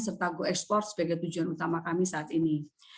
serta go export sebagai tujuan utama kami saat ini